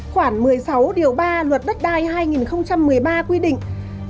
khoảng một mươi sáu điều ba luật đất đai hai nghìn một mươi ba quy định